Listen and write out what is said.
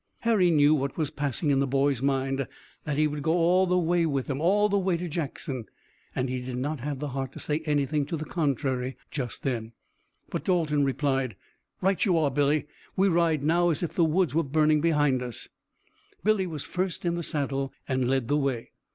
Harry knew what was passing in the boy's mind, that he would go with them all the way to Jackson, and he did not have the heart to say anything to the contrary just then. But Dalton replied: "Right you are, Billy. We ride now as if the woods were burning behind us." Billy was first in the saddle and led the way.